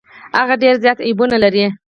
هغه ډیر زيات عيبونه لري.